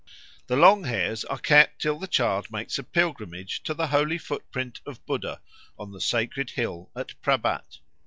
The long hairs are kept till the child makes a pilgrimage to the holy Footprint of Buddha on the sacred hill at Prabat.